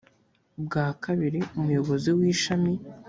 bwa kabiri umuyobozi w ishami